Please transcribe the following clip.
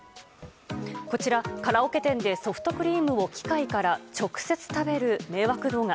こちらカラオケ店でソフトクリームを機械から直接食べる迷惑動画。